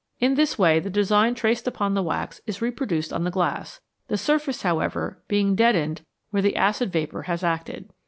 In this way the design traced upon the wax is reproduced on the glass, the sur face, however, being deadened where the acid vapour has acted.